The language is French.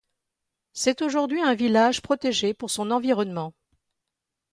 C'est aujourd'hui un village protégé pour son environnement.